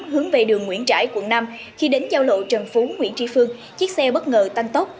hướng về đường nguyễn trãi quận năm khi đến giao lộ trần phú nguyễn tri phương chiếc xe bất ngờ tăng tốc